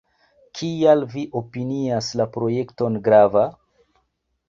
Kial vi opinias la projekton grava?